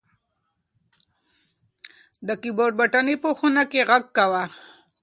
د کیبورډ بټنې په خونه کې غږ کاوه.